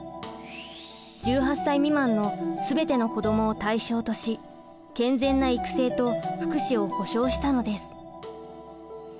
１８歳未満の全ての子どもを対象とし健全な育成と福祉を保障したのです。